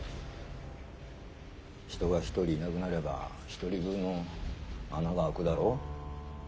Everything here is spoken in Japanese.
人が１人いなくなれば１人分穴が開くだろ？